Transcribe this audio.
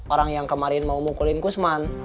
orang yang kemarin mau mukulin kusman